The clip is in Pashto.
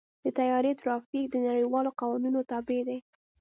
د طیارې ټرافیک د نړیوالو قوانینو تابع دی.